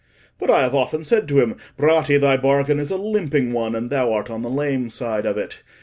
But I have often said to him, 'Bratti, thy bargain is a limping one, and thou art on the lame side of it.